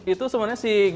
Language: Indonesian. itu sebenarnya sih